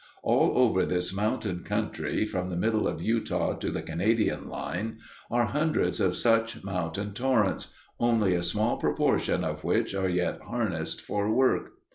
All over this mountain country, from the middle of Utah to the Canadian line, are hundreds of such mountain torrents, only a small proportion of which are yet harnessed for work.